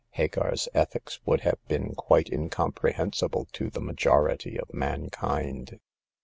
Hagar's ethics would have been quite incompre hensible to the majority of mankind.